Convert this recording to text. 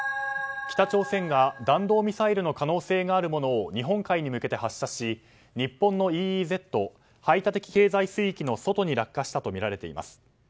北朝鮮が弾道ミサイルの可能性があるものを日本海に向け発射し日本のＥＥＺ・排他的経済水域の外に落下したとみられています。